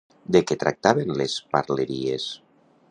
De què tractaven les parleries?